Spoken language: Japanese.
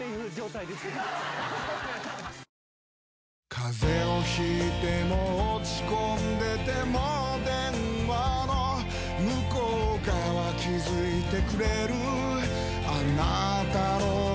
風邪を引いても落ち込んでても電話の向こう側気付いてくれるあなたの声